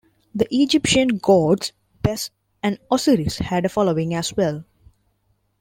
The Egyptian gods Bes and Osiris had a following as well.